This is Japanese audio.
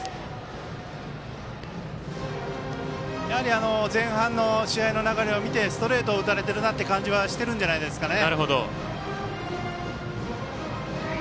やはり前半の試合の流れを見てストレートを打たれてるなという感じはしてるんじゃないですかね。